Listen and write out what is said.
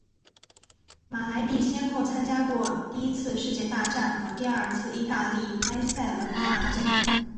马莱蒂先后参加过第一次世界大战和第二次意大利埃塞俄比亚战争。